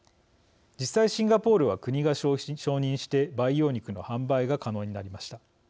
実際、シンガポールは国が承認して培養肉の販売が可能になりました。